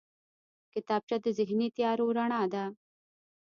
کتابچه د ذهني تیارو رڼا ده